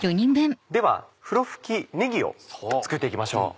ではふろふきねぎを作って行きましょう。